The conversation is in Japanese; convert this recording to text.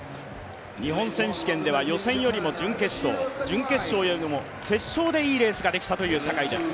日本選手権では予選よりも準決勝準決勝よりも決勝でいいレースができたという坂井です。